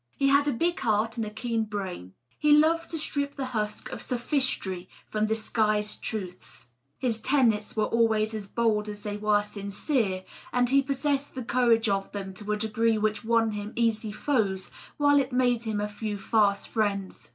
He had a big heart and a keen brain. He loved to strip the husk of sophistry from disguised truths. His tenets were always as bold as they were sincere, and he possessed the courage of them to a d^ree which won him easy foes while it made him a few fast friends.